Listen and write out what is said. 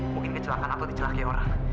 mungkin kecelakaan atau dicelahi orang